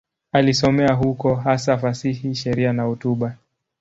Alisomea huko, hasa fasihi, sheria na hotuba.